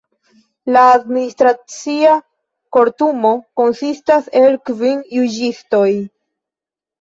La Administracia Kortumo konsistas el kvin juĝistoj.